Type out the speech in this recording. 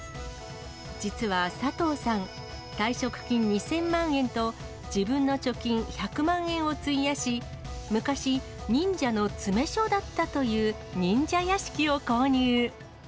実は佐藤さん、退職金２０００万円と自分の貯金１００万円を費やし、昔、忍者の詰め所だったという忍者屋敷を購入。